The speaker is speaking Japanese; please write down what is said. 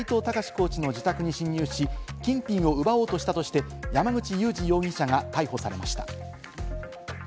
コーチの自宅に侵入し、金品を奪おうとしたとして山口祐司容疑者が逮捕されました。